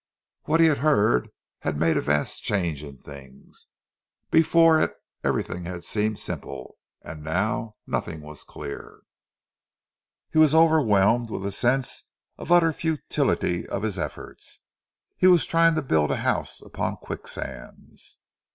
What he had heard had made a vast change in things. Before it everything had seemed simple; and now nothing was clear. He was overwhelmed with a sense of the utter futility of his efforts; he was trying to build a house upon quicksands.